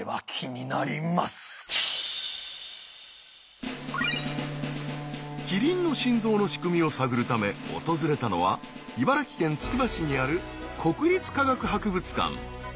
これはキリンの心臓の仕組みを探るため訪れたのは茨城県つくば市にある国立科学博物館。